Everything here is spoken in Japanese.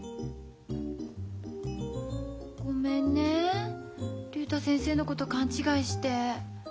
ごめんね竜太先生のこと勘違いして。